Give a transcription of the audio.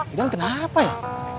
idan kenapa ya